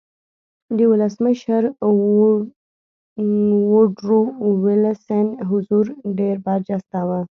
د ولسمشر ووډرو وېلسن حضور ډېر برجسته و